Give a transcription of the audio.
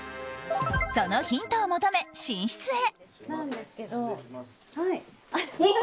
そのヒントを求め寝室へ。